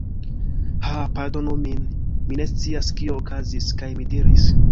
Haa... pardonu min... mi ne scias kio okazis. kaj mi diris: